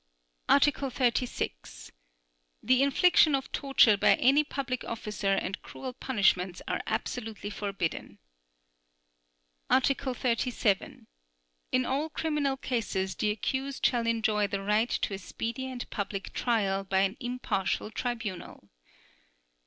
Article 36. The infliction of torture by any public officer and cruel punishments are absolutely forbidden. Article 39. In all criminal cases the accused shall enjoy the right to a speedy and public trial by an impartial tribunal.